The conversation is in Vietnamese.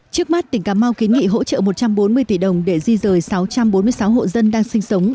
trước mắt tỉnh cà mau kiến nghị hỗ trợ một trăm bốn mươi tỷ đồng để di rời sáu trăm bốn mươi sáu hộ dân đang sinh sống